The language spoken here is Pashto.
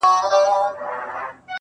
چا توپکونه چا واسکټ چا طیارې راوړي،